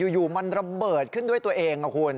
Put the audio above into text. อยู่มันระเบิดขึ้นด้วยตัวเองนะคุณ